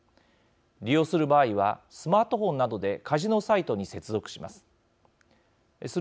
利用する場合はスマートフォンなどでカジノサイトに接続します。